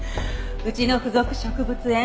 うちの付属植物園